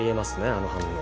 あの反応。